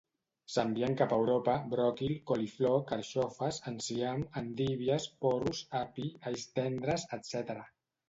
S'envien cap a Europa bròquil, coliflor, carxofes, enciam, endívies, porros, api, alls tendres, etc.